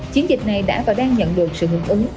chiến dịch này đã và đang nhận được sự hưởng ứng